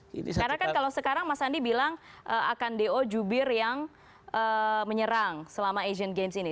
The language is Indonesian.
karena kan kalau sekarang mas sandi bilang akan do jubir yang menyerang selama asian games ini